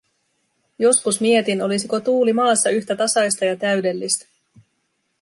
Joskus mietin, olisiko tuuli maassa yhtä tasaista ja täydellistä.